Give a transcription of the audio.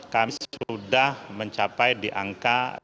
kami sudah mencapai diangkat